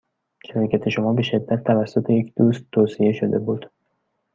شرکت شما به شدت توسط یک دوست توصیه شده بود.